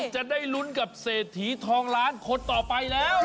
จะได้ลุ้นกับเศรษฐีทองล้านคนต่อไปแล้ว